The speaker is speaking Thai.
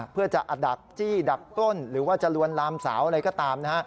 เพื่อจะดักจี้ดักต้นหรือว่าจะลวนลามสาวอะไรก็ตามนะฮะ